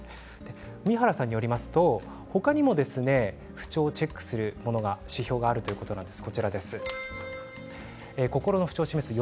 海原さんによりますと他にも不調をチェックする指標があるということです。